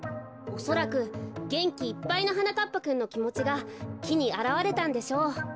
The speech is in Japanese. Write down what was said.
おそらくげんきいっぱいのはなかっぱくんのきもちがきにあらわれたんでしょう。